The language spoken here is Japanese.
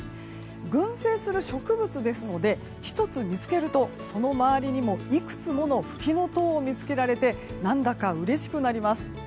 群生する植物ですので１つ見つけるとその周りにも、いくつものフキノトウを見つけられて何だかうれしくなります。